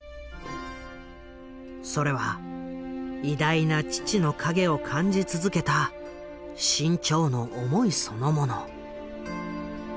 それは偉大な父のかげを感じ続けた志ん朝の思いそのもの。